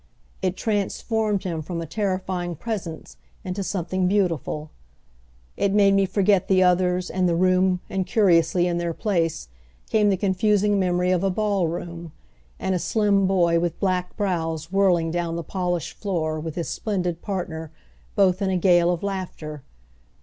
It transformed him from a terrifying presence into something beautiful. It made me forget the others and the room and, curiously, in their place, came the confusing memory of a ball room and a slim boy with black brows whirling down the polished floor with his splendid partner, both in a gale of laughter.